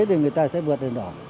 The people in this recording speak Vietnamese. thì người ta sẽ vượt đèn đỏ